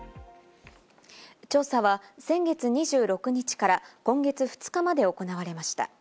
調査は先月２６日から今月２日まで行われました。